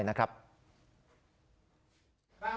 วางมีดลง